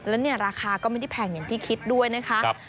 แล้วเนี่ยราคาก็ไม่ได้แพงอย่างที่คิดด้วยนะคะ